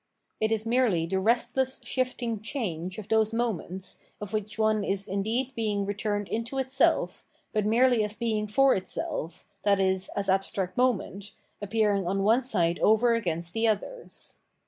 It is merely the restless shifting change of those moments, of which 589 The Result of Enlightenment one is indeed being returned into itself, but merely as being for itself, i.e. as abstract moment, appearing on one side over against tbe others.